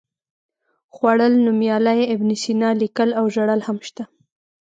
خوړل، نومیالی، ابن سینا، لیکل او ژړل هم شته.